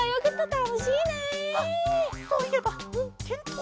あっそういえばてんとう